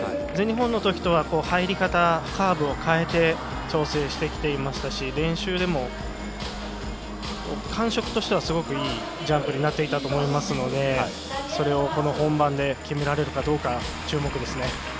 全日本のときとは入り方を変えて調整してきていましたし練習でも感触としてはすごくいいジャンプになっていたと思いますのでそれを、この本番で決められるかどうか、注目ですね。